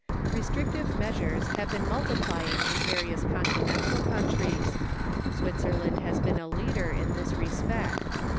Restrictive measures have been multiplying in various Con tinental countries. Switzerland has been a leader in this re spect.